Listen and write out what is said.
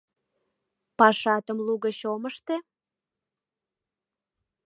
Пашатым лугыч ом ыште?